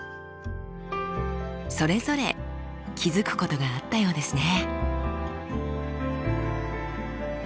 それぞれ気付くことがあったようですね。